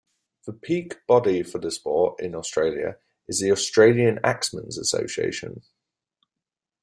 The peak body for the sport in Australia is the Australian Axemen's Association.